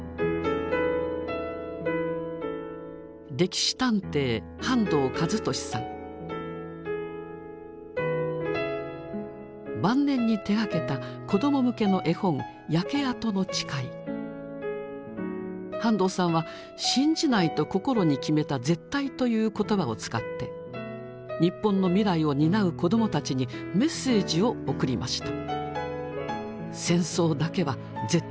歴史探偵晩年に手がけた子ども向けの絵本半藤さんは信じないと心に決めた「絶対」という言葉を使って日本の未来を担う子どもたちにメッセージを送りました。